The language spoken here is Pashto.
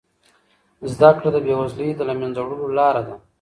زده کړه د بې وزلۍ د له منځه وړلو لاره ده.